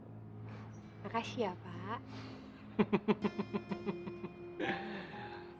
makasih ya pak